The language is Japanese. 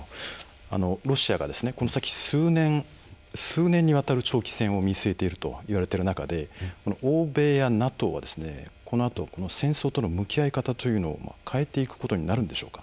ロシアがこの先数年にわたる長期戦を見据えているといわれている中で欧米やＮＡＴＯは、このあと戦争との向き合い方を変えていくことになるんでしょうか。